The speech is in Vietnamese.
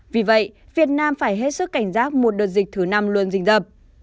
vì vậy việt nam phải hết sức cảnh giác một đợt dịch thứ năm luôn dình rập